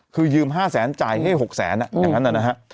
คือยืม๕๐๐๐๐๐จ่ายให้๖๐๐๐๐๐อย่างนั้นนะฮะ